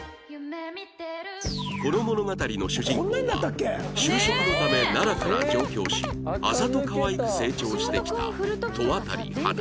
この物語の主人公は就職のため奈良から上京しあざと可愛く成長してきた戸渡花